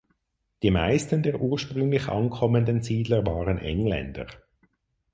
Die meisten der ursprünglich ankommenden Siedler waren Engländer.